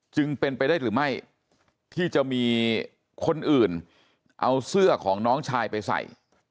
จึงเป็นไปได้หรือไม่ที่จะมีคนอื่นเอาเสื้อของน้องชายไปใส่